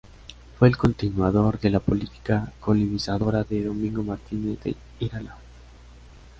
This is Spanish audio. Fue el continuador de la política colonizadora de Domingo Martínez de Irala.